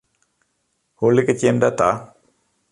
Hoe liket jim dat ta?